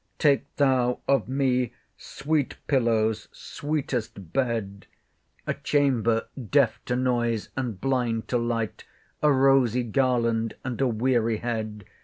Take thou of me sweet pillows, sweetest bed; A chamber deaf to noise, and blind to light; A rosy garland, and a weary head.